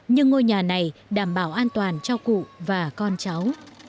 nhưng ngôi nhà này đảm bảo an toàn cho cụ và con cháu